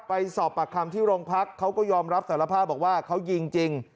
ไปสอบปากคำที่โรงพักเขาก็ยอมรับสารภาพบอกว่าเขายิงจริง